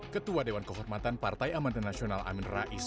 ketua dewan kehormatan partai aman dan nasional amin rais